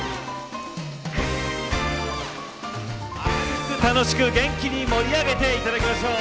明るく楽しく元気に盛り上げていただきましょう